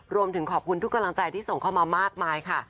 รวมถึงขอบคุณทุกกำลังใจที่ส่งเข้ามามากมายค่ะ